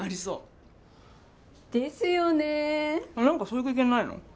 何かそういう経験ないの？